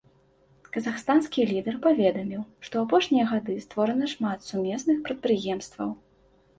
Казахстанскі лідар паведаміў, што ў апошнія гады створана шмат сумесных прадпрыемстваў.